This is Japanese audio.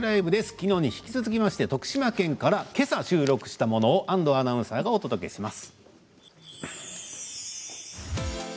きのうに引き続いて徳島放送局から、けさ収録したものを安藤アナウンサーがお伝えします。